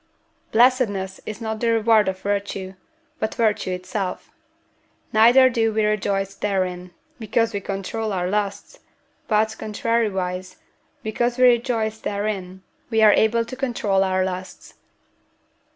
Blessedness is not the reward of virtue, but virtue itself; neither do we rejoice therein, because we control our lusts, but, contrariwise, because we rejoice therein, we are able to control our lusts.